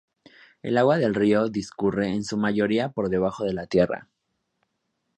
El agua del río discurre en su mayoría por debajo de la tierra.